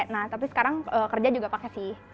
nah tapi sekarang kerja juga pakai sih